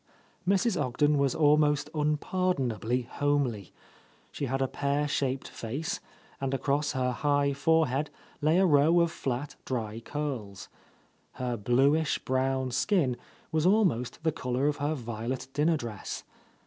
Mrs. Ogden was almost unpardonably homely. She had a pear shaped face, and across her high forehead lay a row of flat, dry curls. Her blu ish brown skin was almost the colour of her vio let dinner dress.